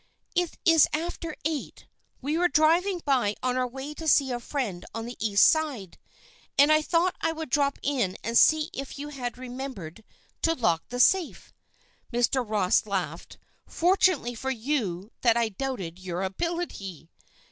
"It is after eight. We were driving by on our way to see a friend on the East Side, and I thought I would drop in and see if you had remembered to lock the safe." Mr. Ross laughed. "Fortunate for you that I doubted your ability."